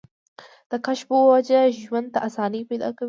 د کشف پۀ وجه ژوند ته اسانۍ پېدا کوي